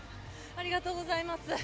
ありがとうございます。